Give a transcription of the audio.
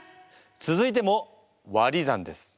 続いてもわり算です。